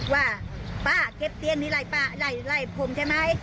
ว่าป้าเก็บเตียงนี่ไล่ป้าไล่ผมใช่ไหม